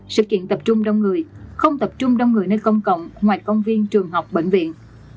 sự kiện tập trung đông người không tập trung đông người nơi công cộng ngoài công viên trường học bệnh viện